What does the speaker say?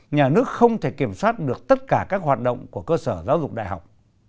nhà nước không thể kiểm soát được tất cả các hoạt động của cơ sở giáo dục đại học